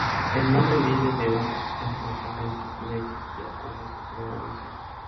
El nombre viene de un emplazamiento que ya existía cuando se creó la ciudad.